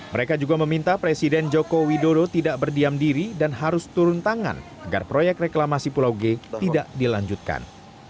mereka juga meminta presiden joko widodo tidak berdiam diri dan harus turun tangan agar proyek reklamasi pulau g tidak dilanjutkan